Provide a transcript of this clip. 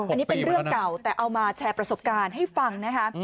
อันนี้เป็นเรื่องเก่าแต่เอามาแชร์ประสบการณ์ให้ฟังนะคะ